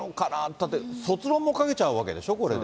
だって卒論も書けちゃうわけでしょ、これで。